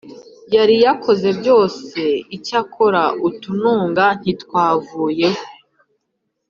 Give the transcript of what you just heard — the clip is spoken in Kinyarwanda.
yari yarakoze byose Icyakora utununga ntitwavuyeho